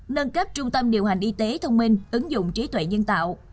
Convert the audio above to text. nâng cấp trung tâm điều hành y tế thông minh ứng dụng trí tuệ nhân tạo